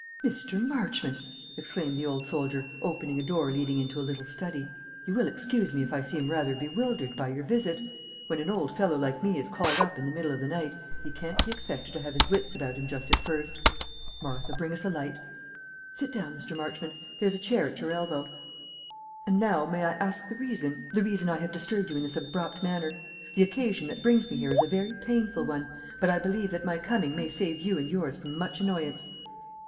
"Mr. Marchmont," exclaimed the old soldier, opening a door leading into a little study, "you will excuse me if I seem rather bewildered by your visit. When an old fellow like me is called up in the middle of the night, he can't be expected to have his wits about him just at first. (Martha, bring us a light.) Sit down, Mr. Marchmont; there's a chair at your elbow. And now may I ask the reason ?" "The reason I have disturbed you in this abrupt manner. The occasion that brings me here is a very painful one; but I believe that my coming may save you and yours from much annoyance."